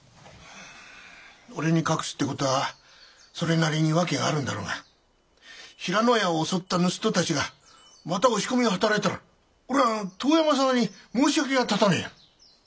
俺に隠すって事はそれなりに訳があるんだろうが平野屋を襲った盗っ人たちがまた押し込みを働いたら俺は遠山様に申し訳が立たねえや。